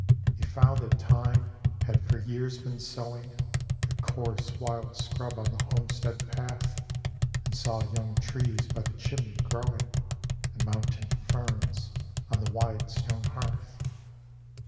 He found that time had for years been sowing The coarse wild scrub on the homestead path, And saw young trees by the chimney growing, And mountain ferns on the wide stone hearth.